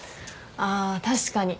あ確かに。